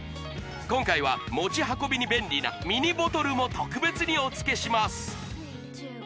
今回は持ち運びに便利なミニボトルも特別にお付けします